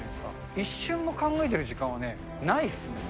一瞬も考えてる時間はね、ないっすね。